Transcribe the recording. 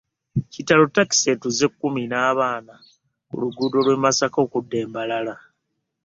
Kitalo! Ttakisi etuze kkumi na bana ku luguudo lw'e Masaka okudda e Mbarara